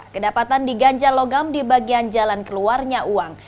kedapatan di ganjal logam di bagian jalan keluarnya uang